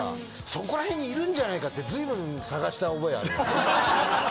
そこら辺にいるんじゃないかってずいぶん探した覚えある。